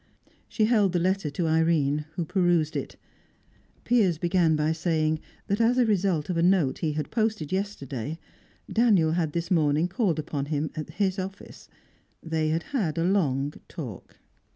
She held the letter to Irene, who perused it. Piers began by saying that as result of a note he had posted yesterday, Daniel had this morning called upon him at his office. They had had a long talk.